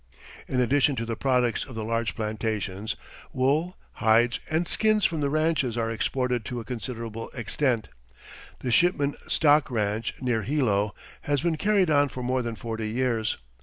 In addition to the products of the large plantations, wool, hides and skins from the ranches are exported to a considerable extent. The Shipman stock ranch, near Hilo, has been carried on for more than forty years.